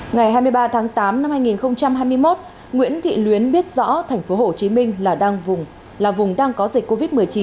ngày hai mươi ba tháng tám năm hai nghìn hai mươi một nguyễn thị luyến biết rõ thành phố hồ chí minh là vùng đang có dịch covid một mươi chín